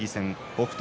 北勝